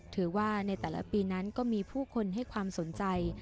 ถือว่าในแต่ละปีนั้นก็มีผู้คนให้ความสนใจ